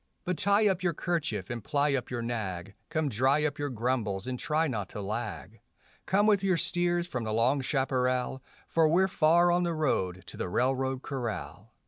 But tie up your kerchief and ply up your nag; Come dry up your grumbles and try not to lag; Come with your steers from the long chaparral, For we're far on the road to the railroad corral.